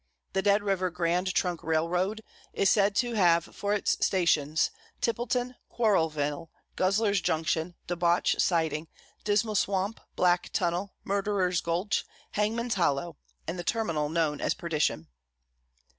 The Dead River Grand Trunk Railroad is said to have for its stations Tippleton, Quarrelville, Guzzler's Junction, Debauch Siding, Dismal Swamp, Black Tunnel, Murderer's Gulch, Hangman's Hollow, and the terminal known as Perdition.